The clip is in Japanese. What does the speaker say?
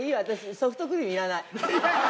ソフトクリームいらない。